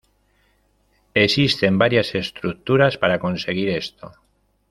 Existen varias estructuras para conseguir esto.